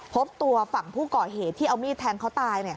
พบตัวฝั่งผู้ก่อเหตุที่เอามีดแทงเขาตาย